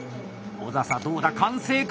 小佐々どうだ完成か⁉